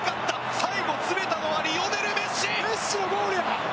最後、詰めたのはリオネル・メッシ！